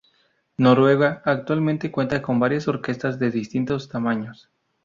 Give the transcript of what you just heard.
Noruega actualmente cuenta con varias orquestas de distintos tamaños.